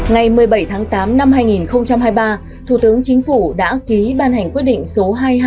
ngày một mươi bảy tháng tám năm hai nghìn hai mươi ba thủ tướng chính phủ đã ký ban hành quyết định số hai mươi hai